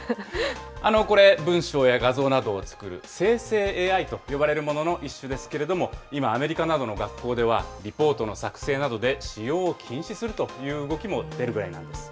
これ、文章や画像などを作る生成ＡＩと呼ばれるものの一種ですけれども、今、アメリカなどの学校では、リポートの作成などで使用を禁止するという動きも出るぐらいなんです。